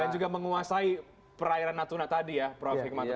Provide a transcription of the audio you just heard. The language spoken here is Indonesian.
dan juga menguasai perairan natuna tadi ya prof fikmanto